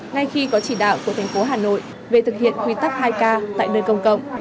ngay khi có chỉ đạo của thành phố hà nội về thực hiện quy tắc hai k tại nơi công cộng